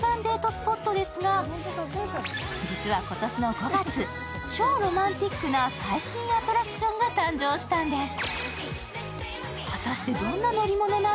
スポットですが、実は今年の５月超ロマンティックな最新アトラクションが誕生したんです。